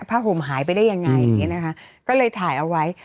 ห่มหายไปได้ยังไงอย่างนี้นะคะก็เลยถ่ายเอาไว้